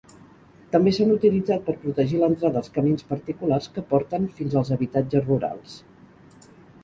També s'han utilitzat per protegir l'entrada als camins particulars que porten fins als habitatges rurals.